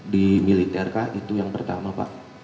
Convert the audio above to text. di militer kah itu yang pertama pak